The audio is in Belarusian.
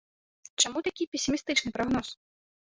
Чаму такі песімістычны прагноз?